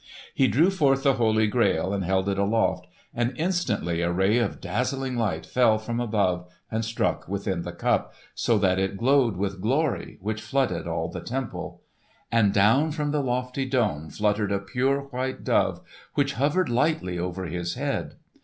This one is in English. He drew forth the Holy Grail and held it aloft, and instantly a ray of dazzling light fell from above and struck within the Cup, so that it glowed with glory which flooded all the temple. And down from the lofty dome fluttered a pure white dove which hovered lightly over his head.